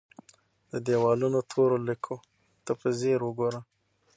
د دیوالونو تورو لیکو ته په ځیر وګوره.